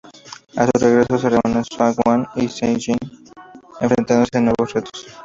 A su regreso, se reúnen Seung Wan y Se Jin enfrentándose a nuevos retos.